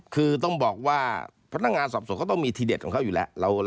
คือต้องบอกว่าพนักงานสอบสวนก็ต้องมีทีเด็ดของเขาอยู่แล้ว